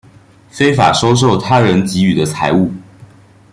非法收受他人给予的财物